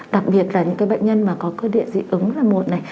đặc biệt là những cái bệnh nhân mà có cơ địa dị ứng là một này